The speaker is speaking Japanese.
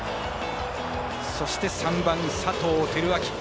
そして、３番の佐藤輝明。